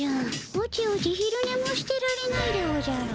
おちおち昼ねもしてられないでおじゃる。